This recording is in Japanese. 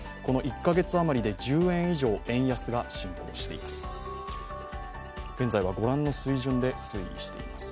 １ヶ月あまりで１０円以上円安が浸透しています。